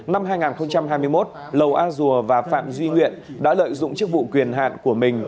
năm hai nghìn hai mươi một lầu a dùa và phạm duy nguyện đã lợi dụng chức vụ quyền hạn của mình